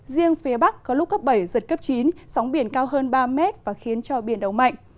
riêng phía bắc có lúc cấp bảy giật cấp chín sóng biển cao hơn ba mét và khiến cho biển động mạnh